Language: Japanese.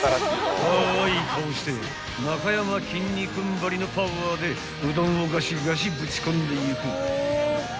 ［カワイイ顔してなかやまきんに君ばりのパワーでうどんをガシガシぶち込んでいく］